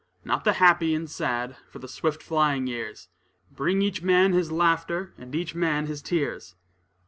Not the happy and sad, for the swift flying years Bring each man his laughter and each man his tears.